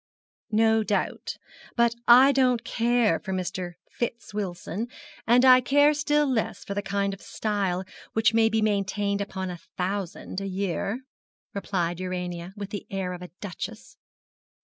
'No doubt. But I don't care for Mr. Fitz Wilson, and I care still less for the kind of style which can be maintained upon a thousand a year,' replied Urania, with the air of a duchess.